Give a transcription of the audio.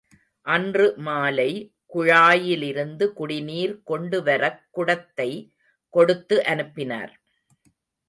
அன்று மாலை குழாயிலிருந்து குடிநீர் கொண்டுவரக் குடத்தை கொடுத்து அனுப்பினார்.